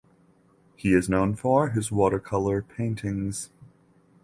He is known for his watercolor paintings.